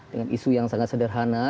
dengan isu yang sangat sederhana